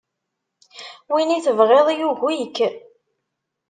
Win i tebɣiḍ yugi-k.